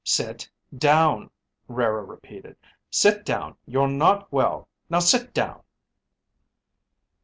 "Sit down," Rara repeated. "Sit down. You're not well. Now sit down!"